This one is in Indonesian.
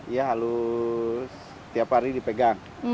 ya harus tiap hari dipegang